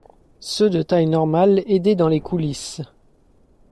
Ceux de taille normale aidaient dans les coulisses.